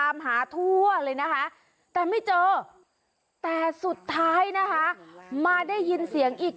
มันร้องกาละเกดได้ยังไง